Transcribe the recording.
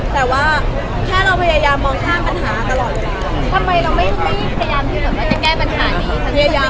แต่ว่าแค่เรามองข้ามปัญหาตลอดเลย